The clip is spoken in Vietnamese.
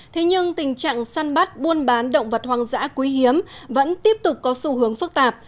thế nhưng tình trạng săn bắt buôn bán động vật hoang dã quý hiếm vẫn tiếp tục có xu hướng phức tạp